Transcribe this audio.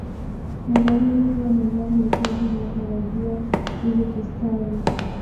Ni dhahiri kuwa Mimea huitaji mwanga wa jua ili kustawi